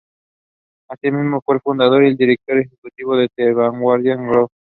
Así mismo fue el fundador y director ejecutivo de The Vanguard Group.